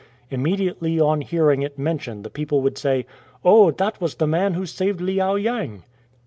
Immediately on bearing it mentioned the people would say, " Oh, that was the man who saved Liao yang."